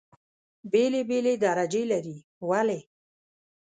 بېلې بېلې درجې لري. ولې؟